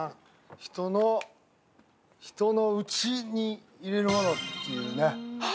人の内に入れるものっていうね。